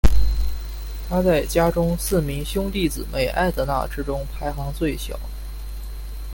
她在家中四名兄弟姊妹艾德娜之中排行最小。